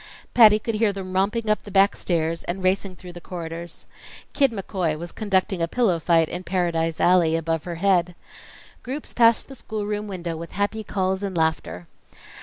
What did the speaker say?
Patty could hear them romping up the back stairs, and racing through the corridors. Kid McCoy was conducting a pillow fight in Paradise Alley above her head. Groups passed the schoolroom window with happy calls and laughter.